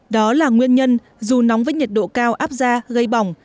đó là nguyên nhân dù nóng với nhiệt độ cao áp ra gây bỏng